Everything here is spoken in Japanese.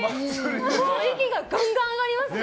息がガンガン上がりますね。